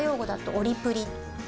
オリプリ？